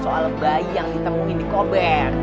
soal bayi yang ditemuin di kober